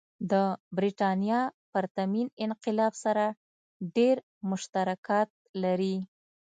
د برېټانیا پرتمین انقلاب سره ډېر مشترکات لري.